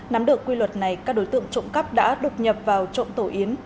nắm được quy luật này các đối tượng trộm cắp đã đột nhập vào trộm tổ yến